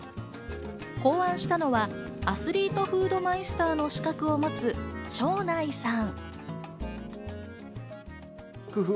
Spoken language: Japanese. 考案したのはアスリートフードマイスターの資格を持つ、庄内さん。